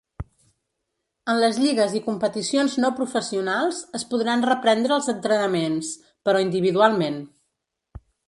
En les lligues i competicions no professionals, es podran reprendre els entrenaments, però individualment.